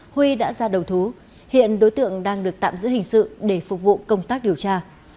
huy đã ra đầu thú hiện đối tượng đang được tạm giữ hình sự để phục vụ công tác điều tra